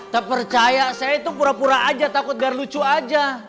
terpercaya saya itu pura pura aja takut biar lucu aja